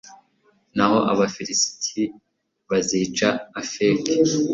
naho abafilisiti bazica afeki